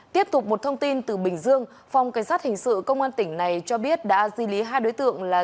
tiếp tục một thông tin từ bình dương phòng cảnh sát hình sự công an tỉnh này cho biết đã di lý hai đối tượng là